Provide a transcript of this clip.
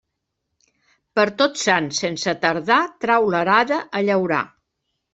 Per Tots Sants, sense tardar, trau l'arada a llaurar.